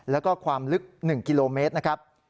แล้วก็ความลึก๑กิโลเมตรนะครับ